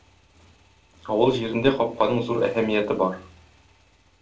Авыл җирендә капканың зур әһәмияте бар.